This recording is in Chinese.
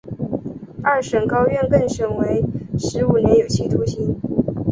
二审高院更审为十五年有期徒刑。